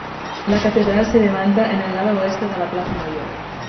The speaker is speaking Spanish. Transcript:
La catedral se levanta en el lado oeste de la Plaza Mayor.